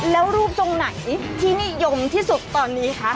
แล้วรูปตรงไหนที่นิยมที่สุดตอนนี้คะ